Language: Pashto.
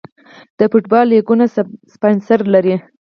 د فوټبال لیګونه سپانسر لري